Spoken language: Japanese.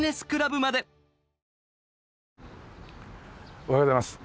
おはようございます。